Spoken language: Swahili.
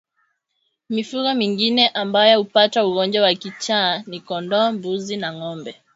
Mifugo mingine ambayo hupata ugonjwa wa kichaa ni kondoo mbuzi na ngombe